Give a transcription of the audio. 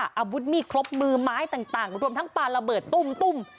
อาวุธมีดครบมือไม้ต่างรวมทั้งปลาระเบิดตุ้ม